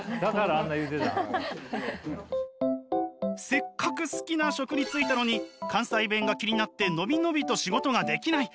せっかく好きな職に就いたのに関西弁が気になって伸び伸びと仕事ができない！